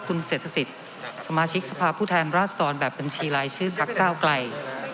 คุณเศรษฐศิษย์สมาชิกสภาพูดแทนราชดรแบบเป็นชีลายชื่อพรรคเก้าไกร